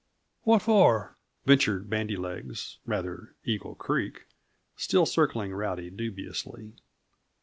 "What for?" ventured Bandy legs rather, Eagle Creek still circling Rowdy dubiously.